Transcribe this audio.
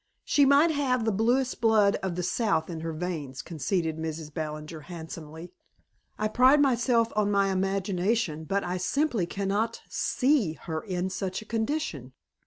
"She might have the bluest blood of the South in her veins," conceded Mrs. Ballinger handsomely. "I pride myself on my imagination but I simply cannot see her in such a condition."